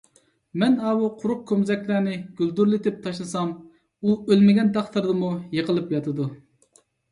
مەن ئاۋۇ قۇرۇق كومزەكلەرنى گۈلدۈرلىتىپ تاشلىسام، ئۇ ئۆلمىگەن تەقدىردىمۇ يىقىلىپ ياتىدۇ.